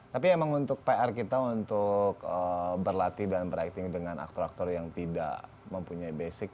tapi emang untuk pr kita untuk berlatih dan berakting dengan aktor aktor yang tidak mempunyai basic